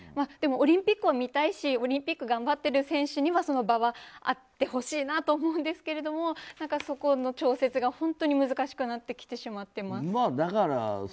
オリンピックは見たいしオリンピック頑張っている選手にはその場はあってほしいなと思うんですけれどもそこの調節が本当に難しくなってきてしまっています。